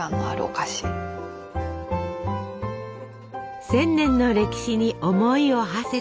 １，０００年の歴史に思いをはせて！